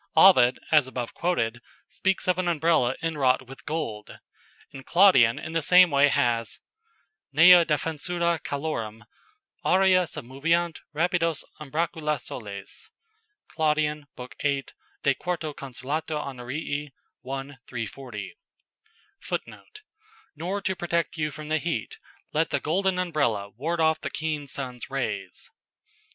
Ovid (as above quoted) speaks of an Umbrella inwrought with gold, and Claudian in the same way has: "Neu defensura calorem Aurea submoveant rapidos umbracula soles." Claud., lib. viii., De. iv. cons. Honorii, 1. 340. [Footnote: "Nor to protect you from the heat, let the golden umbrella ward off the keen sun's rays."